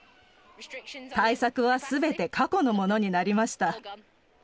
対策はすべて過去のものになりました。